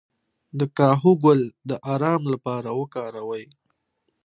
د کاهو ګل د ارام لپاره وکاروئ